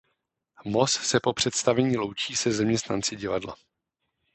Moss se po představení loučí se zaměstnanci divadla.